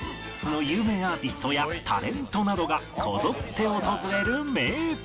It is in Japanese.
有名アーティストやタレントなどがこぞって訪れる名店